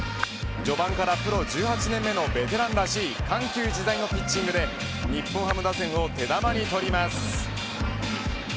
序盤からプロ１８年目のベテランらしい緩急自在のピッチングで日本ハム打線を手玉に取ります。